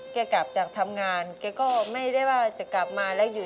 กลับจากทำงานแกก็ไม่ได้ว่าจะกลับมาแล้วอยู่